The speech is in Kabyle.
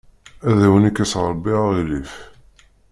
Ad awen-ikkes Rebbi aɣilif.